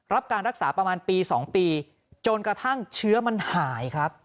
รับการรักษาประมาณปี๒ปีจนกระทั่งเชื้อมันหายครับ